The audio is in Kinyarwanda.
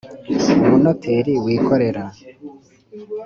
umunoteri wikorera .